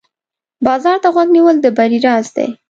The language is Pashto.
بازار ته غوږ نیول د بری راز دی.